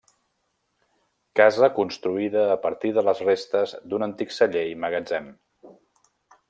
Casa construïda a partir de les restes d'un antic celler i magatzem.